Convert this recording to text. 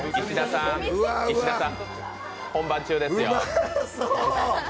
石田さーん、本番中ですよ。